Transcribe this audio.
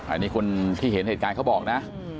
อันนี้คนที่เห็นเหตุการณ์เขาบอกนะ